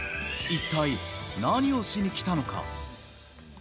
一体何をしに来たのか。